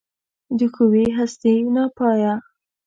د ښېوې هستي ناپایه